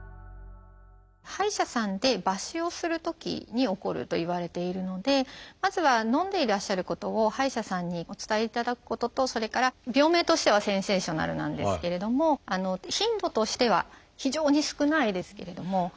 歯医者さんで抜歯をするときに起こるといわれているのでまずはのんでいらっしゃることを歯医者さんにお伝えいただくこととそれから病名としてはセンセーショナルなんですけれども頻度としては非常に少ないですけれども。